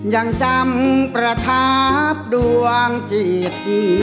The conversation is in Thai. ยังจำประทับดวงจิต